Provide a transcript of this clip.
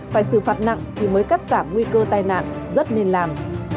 phải xử phạt nặng thì mới cắt giảm nguy cơ tai nạn rất nên làm